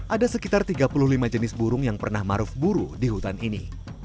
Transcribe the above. ada sekitar tiga puluh lima jenis burung yang pernah maruf buru di hutan ini